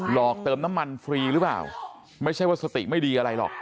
อกเติมน้ำมันฟรีหรือเปล่าไม่ใช่ว่าสติไม่ดีอะไรหรอก